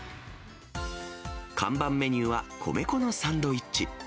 看板メニューは米粉のサンドイッチ。